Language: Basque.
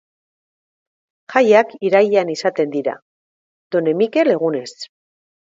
Jaiak irailean izaten dira, Done Mikel egunez.